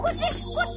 こっち！